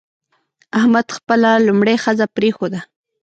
احمد خپله لومړۍ ښځه پرېښوده.